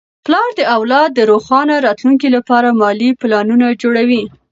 پلار د اولاد د روښانه راتلونکي لپاره مالي پلانونه جوړوي.